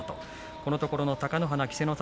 このところ貴乃花稀勢の里